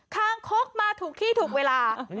คางคกมาถูกที่ถูกเวลา